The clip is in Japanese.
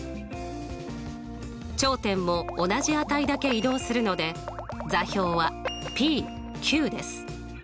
頂点も同じ値だけ移動するので座標はです。